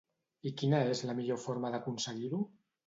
I quina és la millor forma d'aconseguir-ho?